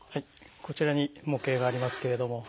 こちらに模型がありますけれども。